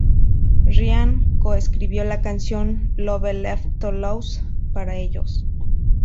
Ryan coescribió la canción "Love Left to Lose" para ellos.